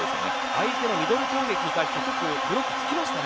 相手のミドル攻撃に対してブロック、１つつきましたね。